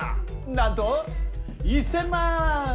なんと、１０００万。